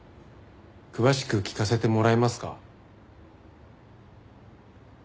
詳しく聞かせてもらえますか？